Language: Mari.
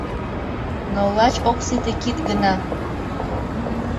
Но лач ок сите кид гына.